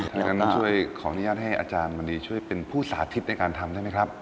อย่างนั้นช่วยขออนุญาตให้อาจารย์มณีช่วยเป็นผู้สาธิตในการทำได้ไหมครับ